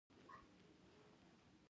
احمد يتيم دی؛ زړه مې ور باندې سوځي.